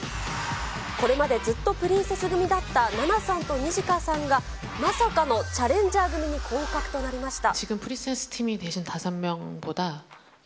これまでずっとプリンセス組だったナナさんとニジカさんがまさかのチャレンジャー組に降格となりました。